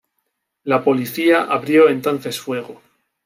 La policía abrió entonces fuego.